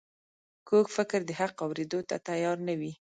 کوږ فکر د حق اورېدو ته تیار نه وي